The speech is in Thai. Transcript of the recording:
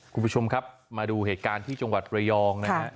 คุณผู้ชมครับมาดูเหตุการณ์ที่จังหวัดระยองนะฮะ